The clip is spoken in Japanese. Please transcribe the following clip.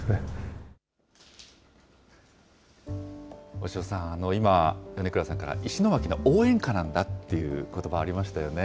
押尾さん、今、米倉さんから、石巻の応援歌なんだっていうことばありましたよね。